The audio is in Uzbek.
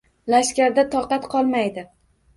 Lashkarda toqat qolmaydi.